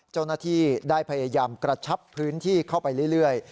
เจ้าหน้าที่ได้พยายามกระชับพื้นที่เข้าไปเรื่อย